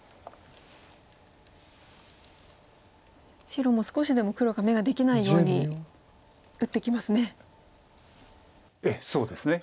白も少しでも黒が眼ができないように打ってきますね。